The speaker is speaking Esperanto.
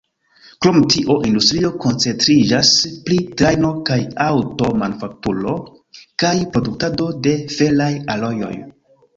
Krom tio, industrio koncentriĝas pri trajno- kaj aŭto-manufakturo kaj produktado de feraj alojoj.